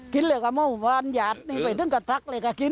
กินแค่เมาบ้านอยาดยังไปซึ่งจะตรัสเลยกิน